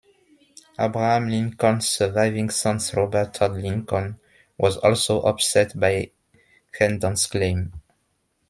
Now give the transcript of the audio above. Abraham Lincoln's surviving son Robert Todd Lincoln was also upset by Herndon's claim.